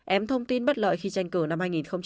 ém thông tin bất lợi khi tranh cử năm hai nghìn một mươi sáu